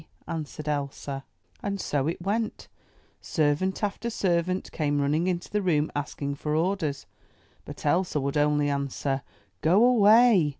answered Elsa. And so it went; servant after servant came run ning into the room asking for orders, but Elsa would only answer, "Go away!"